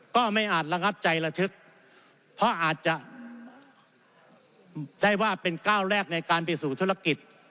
ก็ไม่อาจระงับใจระทึกเพราะอาจจะได้ว่าเป็นก้าวแรกในการไปสู่ธุรกิจ